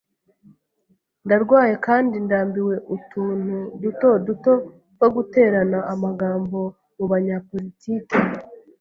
Ndarwaye kandi ndambiwe utuntu duto duto two guterana amagambo mu banyapolitiki.